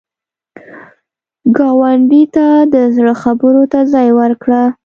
ګاونډي ته د زړه خبرو ته ځای ورکړه